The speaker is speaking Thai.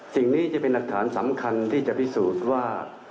สิ่งนี้จะเป็นหลักฐานสำคัญที่จะพิสูจน์ว่า